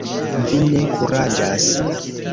Vi ne kuraĝas?